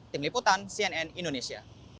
tim liputan cnn indonesia